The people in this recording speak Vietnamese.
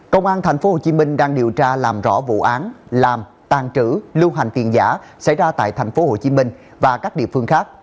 công an tp hcm đang điều tra làm rõ vụ án làm tàn trữ lưu hành tiền giả xảy ra tại tp hcm và các địa phương khác